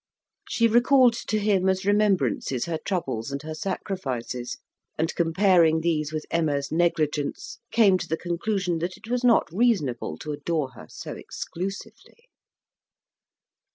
She recalled to him as remembrances her troubles and her sacrifices, and, comparing these with Emma's negligence, came to the conclusion that it was not reasonable to adore her so exclusively.